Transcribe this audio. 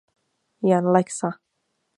Jan Lexa.